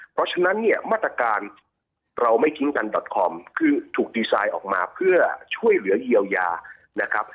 เพราะฉะนั้นเนี่ยมาตรการเราไม่ทิ้งกันบอตคอมคือถูกดีไซน์ออกมาเพื่อช่วยเหลือเยียวยานะครับ